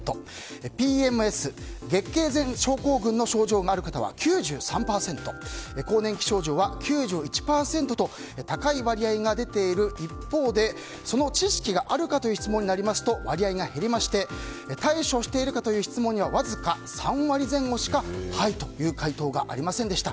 ＰＭＳ・生理前症候群の症状がある方は９３％更年期症状は９１％と高い割合が出ている一方でその知識があるかという質問になりますと割合が減りまして対処しているかという質問にはわずか３割前後しかはいという回答がありませんでした。